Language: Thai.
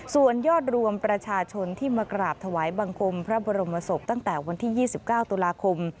ส่วนยอดรวมประชาชนที่มากราบถวายบังคมพระบรมศพตั้งแต่วันที่๒๙ตุลาคม